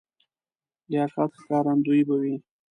لیاقت ښکارندوی به وي.